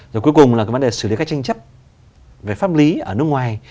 rồi cuối cùng là cái vấn đề xử lý các tranh chấp về pháp lý ở nước ngoài